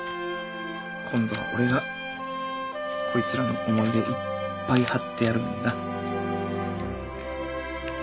今度は俺がこいつらの思い出いっぱい貼ってやるんだ。